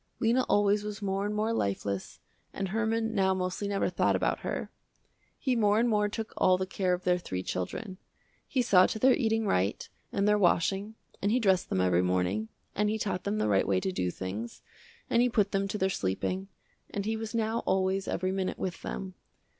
Lena always was more and more lifeless and Herman now mostly never thought about her. He more and more took all the care of their three children. He saw to their eating right and their washing, and he dressed them every morning, and he taught them the right way to do things, and he put them to their sleeping, and he was now always every minute with them.